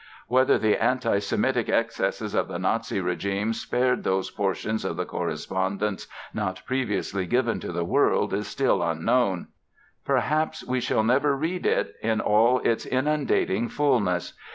Whether the anti Semitic excesses of the Nazi regime spared those portions of the correspondence not previously given to the world is still unknown. Perhaps we shall never read it in all its inundating fullness.